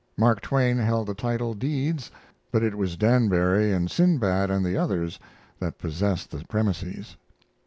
Mark Twain held the title deeds; but it was Danbury and Sinbad and the others that possessed the premises.